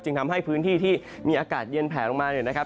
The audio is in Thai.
ทำให้พื้นที่ที่มีอากาศเย็นแผลลงมาเนี่ยนะครับ